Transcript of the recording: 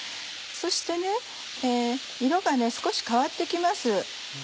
そして色が少し変わって来ます。